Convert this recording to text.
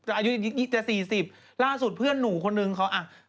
อายุจะ๔๐ล่าสุดเพื่อนหนูคนนึงเขาอ่ะ